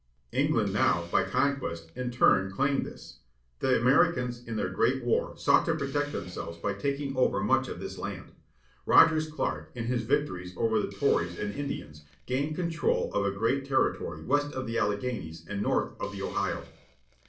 England now, by conquest, in turn claimed this. The Americans in their great war sought to protect themselves by taking over much of this land. Rogers Clark, in his victories over the Tories and Indians, gained control of a great territory west of the Alleghanies and north of the Ohio.